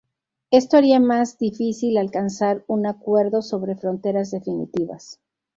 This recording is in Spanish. Esto haría más difícil alcanzar un acuerdo sobre fronteras definitivas.